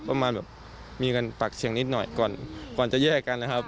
ประมาณแบบมีกันปากเสียงนิดหน่อยก่อนจะแยกกันนะครับ